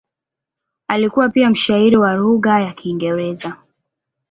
Alikuwa pia mshairi wa lugha ya Kiingereza.